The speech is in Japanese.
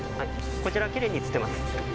こちらきれいに映ってます。